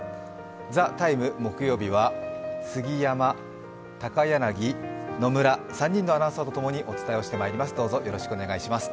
「ＴＨＥＴＩＭＥ，」木曜日は、杉山、高柳、野村、３人のアナウンサーとともにお伝えしてまいります。